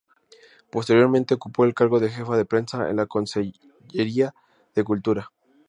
Posteriormente ocupó el cargo de jefa de prensa de la Conselleria de Cultura.